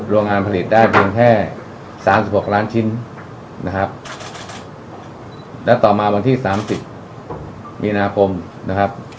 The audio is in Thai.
โรงงานผลิตได้เพียงแค่สามสิบหกล้านชิ้นนะครับและต่อมาวันที่๓๐มีนาคมนะครับ